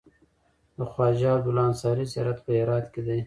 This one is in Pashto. د خواجه عبدالله انصاري زيارت په هرات کی دی